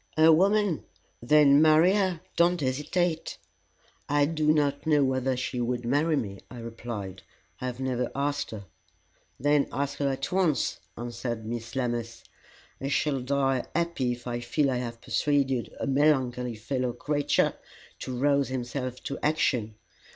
"A woman? Then marry her. Don't hesitate." "I do not know whether she would marry me," I replied. "I have never asked her." "Then ask her at once," answered Miss Lammas. "I shall die happy if I feel I have persuaded a melancholy fellow creature to rouse himself to action.